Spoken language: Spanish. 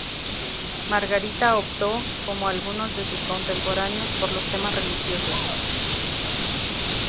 Margarita optó, como algunos de sus contemporáneos, por los temas religiosos.